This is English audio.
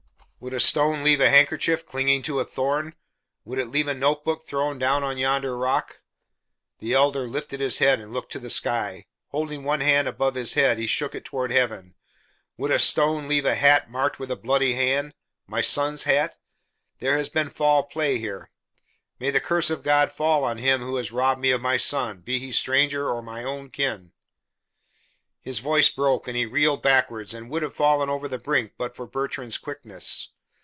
"Would a stone leave a handkerchief clinging to a thorn? Would it leave a notebook thrown down on yonder rock?" The Elder lifted his head and looked to the sky: holding one hand above his head he shook it toward heaven. "Would a stone leave a hat marked with a bloody hand my son's hat? There has been foul play here. May the curse of God fall on him who has robbed me of my son, be he stranger or my own kin." His voice broke and he reeled backward and would have fallen over the brink but for Bertrand's quickness.